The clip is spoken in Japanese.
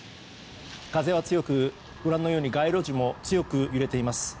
風は強く、ご覧のように街路樹も強く揺れています。